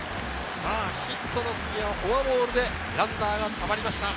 さぁヒットの次はフォアボールでランナーがたまりました。